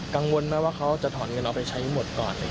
กังวลไหมว่าเขาจะถอนเงินเอาไปใช้หมดก่อน